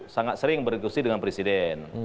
sangat sering berdiskusi dengan presiden